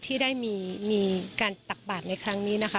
ที่ได้มีการตักบาทในครั้งนี้นะคะ